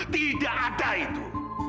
tidak ada itu